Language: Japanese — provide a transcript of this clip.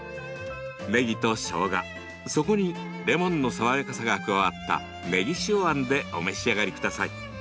ねぎとしょうが、そこにレモンの爽やかさが加わったねぎ塩あんでお召し上がりください。